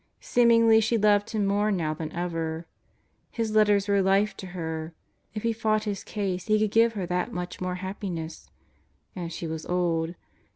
Seem ingly she loved him more now than ever. His letters were life to her If he fought his case he could give her that much more happiness. And she was old.